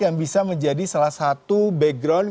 yang bisa menjadi salah satu background